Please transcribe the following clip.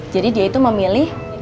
jadi dia itu memilih